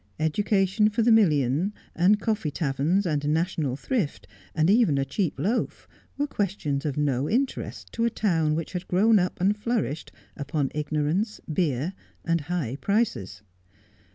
Education for the million, and coffee taverns, and national thrift, and even a cheap loaf were questions of no interest to a town which had grown up and nourished upon ignorance, beer, and high prices.